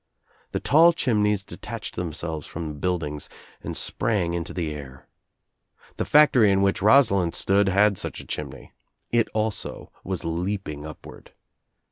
The tall chimneys de tached themselves from the buildings and sprang into I the air. The factory In which Rosalind stood had 1 such a chimney. It also was leaping upward.